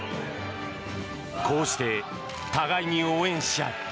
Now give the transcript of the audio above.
こうして互いに応援し合い